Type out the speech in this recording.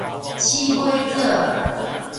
鼠尾藻